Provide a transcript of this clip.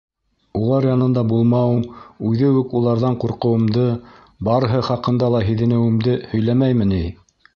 Улар янында булмауым үҙе үк уларҙан ҡурҡыуымды, барыһы хаҡында ла һиҙенеүемде һөйләмәйме ни?